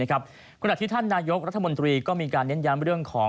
ขณะที่ท่านนายกรัฐมนตรีก็มีการเน้นย้ำเรื่องของ